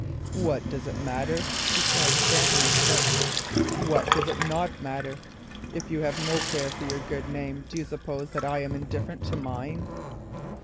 "What does it matter?" he said, stamping his foot. "What does it not matter? If you have no care for your good name, do you suppose that I am indifferent to mine?"